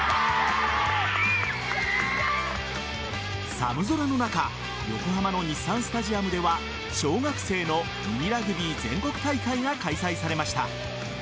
寒空の中横浜の日産スタジアムでは小学生のミニラグビー全国大会が開催されました。